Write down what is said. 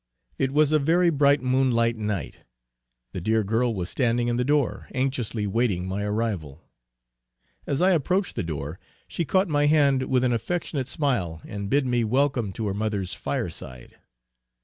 It was a very bright moonlight night; the dear girl was standing in the door, anxiously waiting my arrival. As I approached the door she caught my hand with an affectionate smile, and bid me welcome to her mother's fire side.